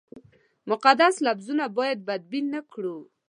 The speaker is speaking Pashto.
مقدس لفظونه باید بدبین نه کړو.